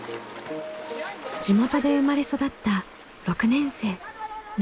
地元で生まれ育った６年生。